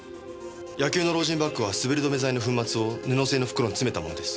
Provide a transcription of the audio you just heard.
野球のロージンバッグは滑り止め剤の粉末を布製の袋に詰めたものです。